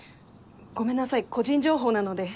ごめんなさい個人情報なので。